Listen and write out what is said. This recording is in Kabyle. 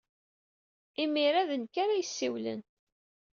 Imir-a d nekk ara yessiwlen.